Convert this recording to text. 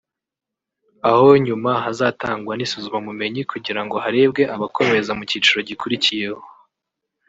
aho nyuma hazatangwa n’isuzumabumenyi kugira ngo harebwe abakomeza mu cyiciro gikurikiyeho